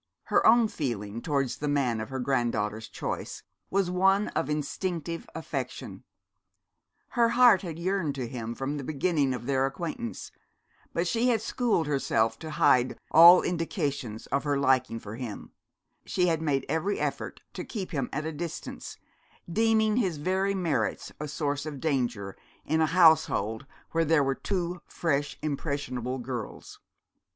Her own feeling towards the man of her granddaughter's choice was one of instinctive affection. Her heart had yearned to him from the beginning of their acquaintance; but she had schooled herself to hide all indications of her liking for him, she had made every effort to keep him at a distance, deeming his very merits a source of danger in a household where there were two fresh impressionable girls.